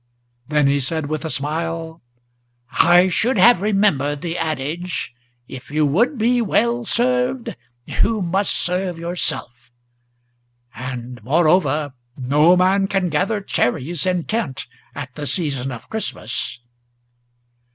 Then he said with a smile: "I should have remembered the adage, If you would be well served, you must serve yourself; and moreover, No man can gather cherries in Kent at the season of Christmas!"